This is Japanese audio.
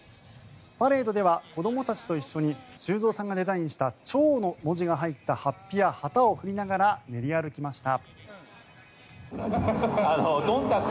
パレードでは子どもたちと一緒に修造さんがデザインした「超」の文字が入った法被や旗を振りながら練り歩きました。